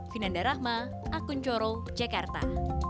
vinanda rahma akun coro jakarta